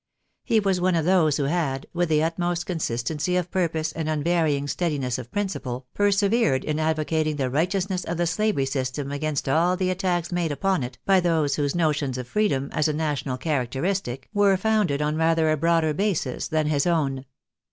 He was one of those who had, with the utmost consistency of purpose and unvarying steadiness of principle, persevered in advocating the righteousness of the slavery system against all the attacks made upon it by those whose notions of freedom, as a national charac teristic, were founded on rather a broader basis than his own.